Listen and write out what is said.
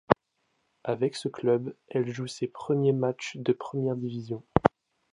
Avec ce club, elle joue ses premiers matchs de première division.